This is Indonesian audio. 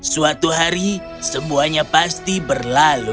suatu hari semuanya pasti berlalu